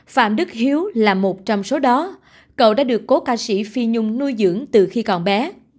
phạm đức hiếu là một trong số đó cậu đã được cố ca sĩ phi nhung nuôi dưỡng từ khi còn bé